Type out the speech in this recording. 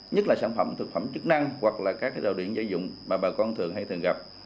nhất là sản phẩm thực phẩm chức năng hoặc là các đầu điện gia dụng mà bà con thường hay thường gặp